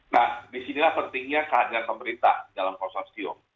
nah disinilah pentingnya kehadiran pemerintah dalam konsorsium